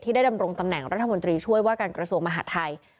ที่ได้ดำรงตำแหน่งลัฐมนตรีช่วยว่าการกระศวกมหาธิ